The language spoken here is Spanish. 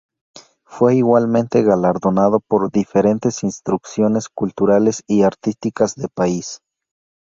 Fue igualmente galardonado por diferentes instrucciones Culturales y Artísticas de País.